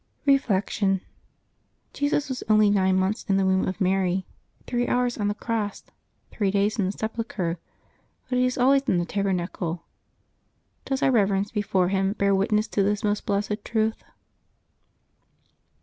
Reflection. — Jesus was only nine months in the womb of Mary, three hours on the cross, three days in the sepul chre, but He is always in the tabernacle. Does our rerer ence before Him bear witness to this most blessed truth